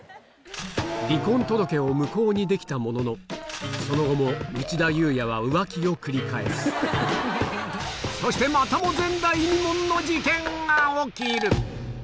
離婚届を無効にできたもののその後も内田裕也は浮気を繰り返すそしてまたも前代未聞の事件が起きる！